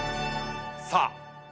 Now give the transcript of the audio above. さあ